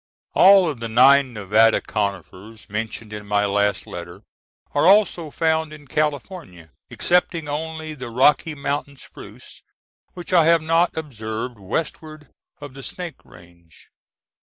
All of the nine Nevada conifers mentioned in my last letter are also found in California, excepting only the Rocky Mountain spruce, which I have not observed westward of the Snake Range.